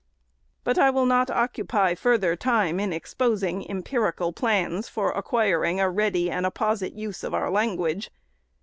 But I will not occupy further time in exposing empiri cal plans for acquiring a ready and apposite use of our language.